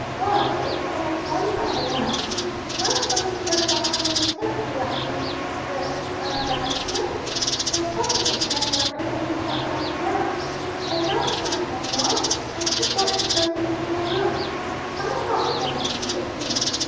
'Well,' said the aunt, mollified at last, 'you must forgive us for having disturbed you like this, Mr. a Flushington' (the unfortunate man murmured that he did not mind it now); 'and now, Frank, my boy, I should like the girls to see your rooms.' 'Come along then,' said he.